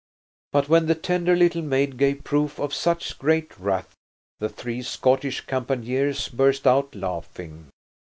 But when the tender little maid gave proof of such great wrath, the three Scottish campaigners burst out laughing.